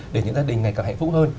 để những gia đình ngày càng hạnh phúc hơn